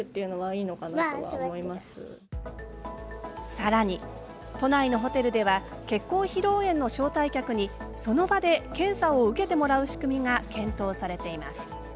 さらに、都内のホテルでは結婚披露宴の招待客にその場で検査を受けてもらう仕組みが検討されています。